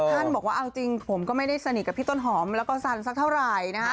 ท่านบอกว่าเอาจริงผมก็ไม่ได้สนิทกับพี่ต้นหอมแล้วก็สันสักเท่าไหร่นะฮะ